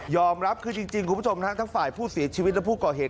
อมรับคือจริงคุณผู้ชมทั้งฝ่ายผู้เสียชีวิตและผู้ก่อเหตุ